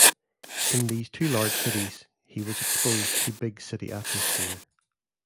In these two large cities, he was exposed to big city atmosphere.